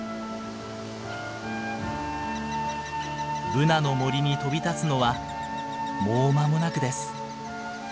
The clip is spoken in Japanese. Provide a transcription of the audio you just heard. ブナの森に飛び立つのはもう間もなくです。